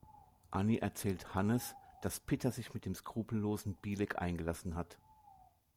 Anni erzählt Hannes, dass Pitter sich mit dem skrupellosen Bilek eingelassen hat.